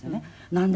「なんで？」